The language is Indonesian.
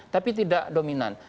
tapi tidak dominan